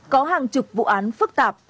có hàng chục vụ án phức tạp